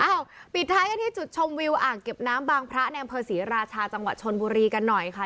ปิดท้ายกันที่จุดชมวิวอ่างเก็บน้ำบางพระในอำเภอศรีราชาจังหวัดชนบุรีกันหน่อยค่ะ